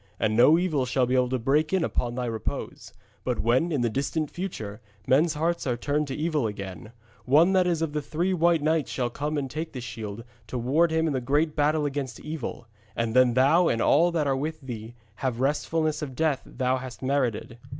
And no evil shall be able to break in upon thy repose. But when, in the distant future, men's hearts are turning to evil again, one that is of the three white knights shall come and take this shield, to ward him in the great battle against evil, and then thou and all that are with thee shall have the restfulness of death thou hast merited.